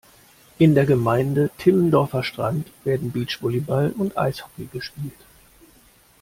In der Gemeinde Timmendorfer Strand werden Beachvolleyball und Eishockey gespielt.